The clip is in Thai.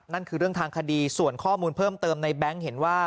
นั่นคือเรื่องทางคดีส่วนข้อมูลเพิ่มเติมในแบงค์เห็นว่า